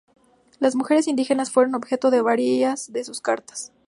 Las mujeres indígenas fueron objeto de varias de sus cartas.